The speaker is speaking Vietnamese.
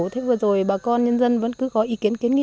thế vừa rồi bà con nhân dân vẫn cứ có ý kiến kiến nghị